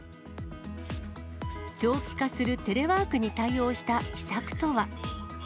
長期化するテレワークに対応した秘策とは。